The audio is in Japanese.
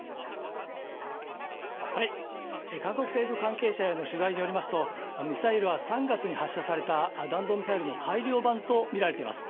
韓国政府関係者への取材によりますとミサイルは３月に発射された弾道ミサイルの改良版とみられています。